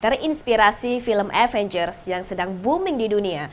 terinspirasi film avengers yang sedang booming di dunia